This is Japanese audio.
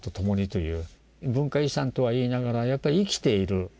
文化遺産とは言いながらやっぱり生きている。